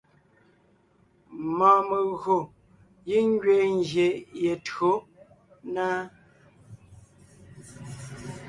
Mɔɔn megÿò giŋ ngẅiin ngyè ye tÿǒ na.